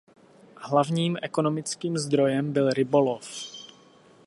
Hlavním ekonomickým zdrojem byl rybolov.